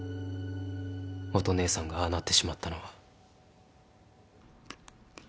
乙姉さんがああなってしまったのは。